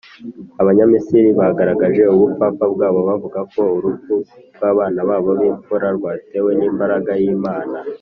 abanyamisiri bagaragaje ubupfapfa bwabo bavuga ko urupfu rw’abana babo b’imfura rwatewe n’imbaraga y’imana.